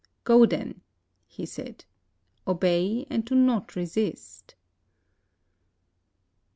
Go then," he said, "obey, and do not resist."